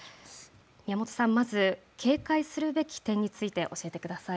宮本さん、まず警戒するべき点について教えてください。